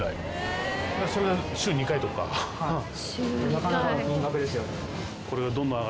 なかなかの金額ですよね。